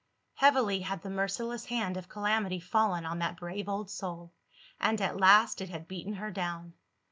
Heavily had the merciless hand of calamity fallen on that brave old soul and, at last, it had beaten her down!